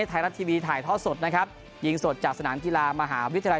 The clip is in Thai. ไทยรัฐทีวีถ่ายท่อสดนะครับยิงสดจากสนามกีฬามหาวิทยาลัย